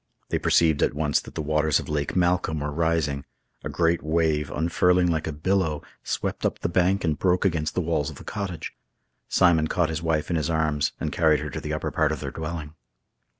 They perceived at once that the waters of Loch Malcolm were rising. A great wave, unfurling like a billow, swept up the bank and broke against the walls of the cottage. Simon caught his wife in his arms, and carried her to the upper part of their dwelling.